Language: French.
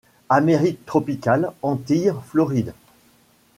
Amérique tropicale, Antilles, Floride.